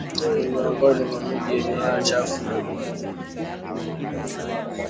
ni miongoni mwa miji yenye hewa chafu ulimwenguni